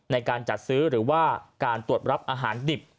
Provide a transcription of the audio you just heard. ในการจัดซื้อหรือว่าการตรวจรับอาหารดิบ